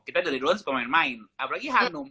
kita dari duluan suka main main apalagi hanum